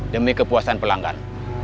demi kepuasan pelanggan